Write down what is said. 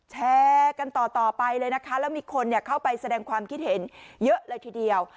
แชร์กันต่อไปเลยนะคะแล้วมีคนเข้าไปแสดงความคิดเห็นเยอะเลยทีเดียว